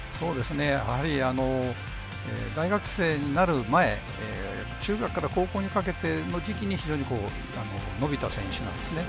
やはり、大学生になる前中学から高校にかけての時期に非常に伸びた選手なんですね。